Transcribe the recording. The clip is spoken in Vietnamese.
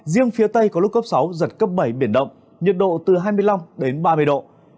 riêng phía tây có lúc cấp sáu giật cấp bảy biển động nhiệt độ từ hai mươi năm đến ba mươi độ